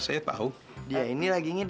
seram hani hab punched